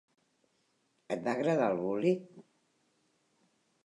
Et va agradar el Bulli?